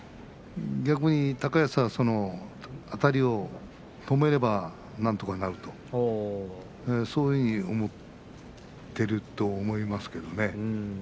逆に高安はそのあたりを止めればなんとかなると、そういうふうに思っていると思いますけどね。